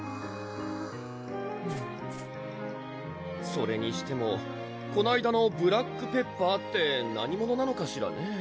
それにしてもこないだのブラックペッパーって何者なのかしらね？